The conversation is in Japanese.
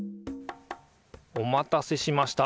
お待たせしました。